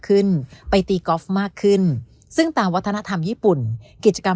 ขึ้นไปตีกอล์ฟมากขึ้นซึ่งตามวัฒนธรรมญี่ปุ่นกิจกรรม